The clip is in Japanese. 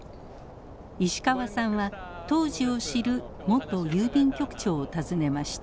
石川さんは当時を知る元郵便局長を訪ねました。